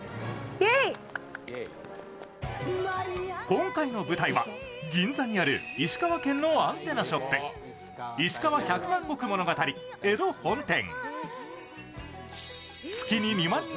今回の舞台は銀座にある石川県のアンテナショップいしかわ百万石物語・江戸本店。